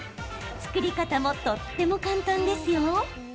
作り方もとっても簡単ですよ。